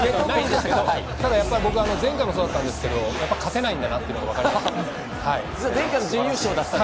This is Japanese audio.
僕は前回もそうだったんですけど、やっぱり勝てないんだなっていうのがわかりましたね。